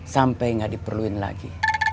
sampai tidak diperlukan lagi